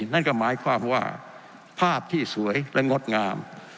นั่นก็หมายความว่าภาพที่สวยและงดงาม